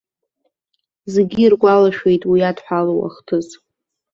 Зегьы иргәалашәоит уи идҳәалоу ахҭыс.